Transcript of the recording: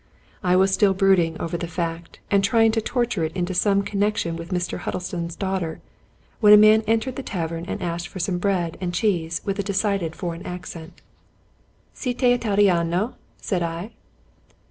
I was still brooding over the fact, and trying to torture it into some connection'with Mr. Huddlestone's danger, when a man entered the tavern and asked for some bread and cheese with a decided foreign accent 179 Scotch Mystery Stories " Siete Italianof •' said I.